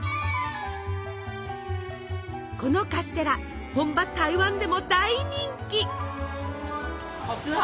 このカステラ本場台湾でも大人気。